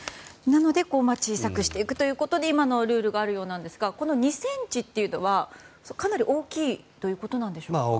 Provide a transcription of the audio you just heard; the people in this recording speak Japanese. なので小さくしていくということに今のルールがあるようなんですがこの２ｃｍというのはかなり大きいんでしょうか？